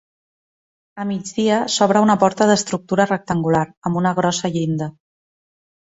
A migdia s'obre una porta d'estructura rectangular, amb una grossa llinda.